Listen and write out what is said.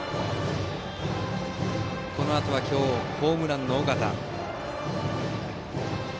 このあとは今日ホームランの尾形。